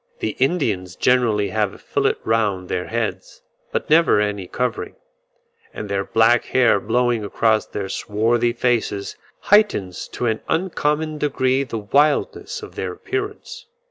The Indians generally have a fillet round their heads, but never any covering; and their black hair blowing across their swarthy faces, heightens to an uncommon degree the wildness of their appearance.